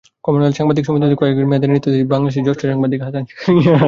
Commonwealth সাংবাদিক সমিতিতে কয়েক মেয়াদে নেতৃত্ব দিয়েছেন বাংলাদেশের জ্যেষ্ঠ সাংবাদিক হাসান শাহরিয়ার।